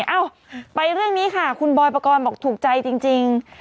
เอ้าไปเรื่องนี้ค่ะคุณบอยปกรณ์บอกถูกใจจริง